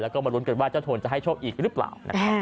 แล้วก็มาล้วนเกิดว่าเจ้าโทนจะให้โชคอีกหรือเปล่า